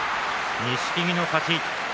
錦木の勝ち。